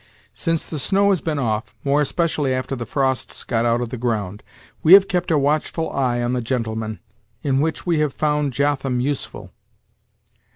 Since the snow has been off, more especially after the frosts got out of the ground, we have kept a watchful eye on the gentle man, in which we have found Jotham useful."